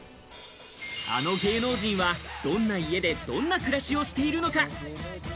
あの芸能人は、どんな家でどんな暮らしをしているのか。